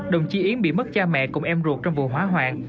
đồng chí yến bị mất cha mẹ cùng em ruột trong vụ hỏa hoạn